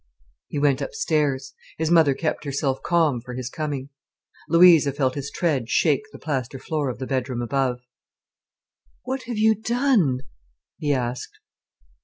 He went upstairs. His mother kept herself calm for his coming. Louisa felt his tread shake the plaster floor of the bedroom above. "What have you done?" he asked.